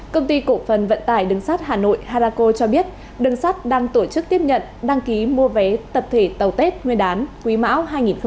công ty cộng phần vận tải đường sát hà nội harako cho biết đường sát đang tổ chức tiếp nhận đăng ký mua vé tập thể tàu tết nguyên đán quý mão hai nghìn hai mươi ba